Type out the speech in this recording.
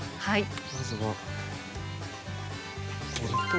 はい。